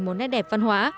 một nét đẹp văn hóa